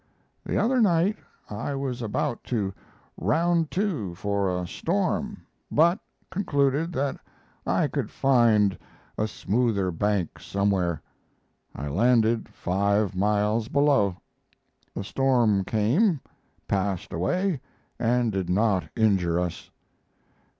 The other night I was about to "round to" for a storm, but concluded that I could find a smoother bank somewhere. I landed five miles below. The storm came, passed away and did not injure us.